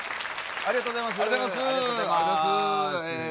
ありがとうございます。